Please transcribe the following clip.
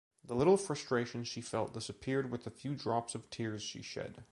The little frustration she felt disappeared with the few drops of tears she shed.